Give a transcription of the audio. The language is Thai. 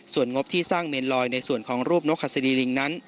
ส่วนงบที่สร้างเมนลอยในส่วนของรูปนกหัสดีลิงนั้น